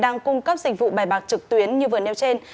đang cung cấp dịch vụ bài bạc trực tuyến như vừa nêu trên